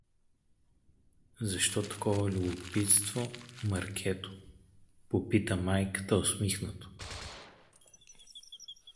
— Защо такова любопитство, Маркето? — попита майката усмихнато.